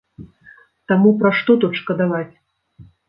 Таму пра што тут шкадаваць?